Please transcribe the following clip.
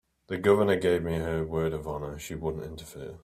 The Governor gave me her word of honor she wouldn't interfere.